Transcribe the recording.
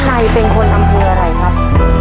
ใครเป็นคนอำเภออะไรครับ